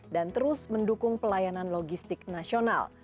dan terus mendukung pelayanan logistik nasional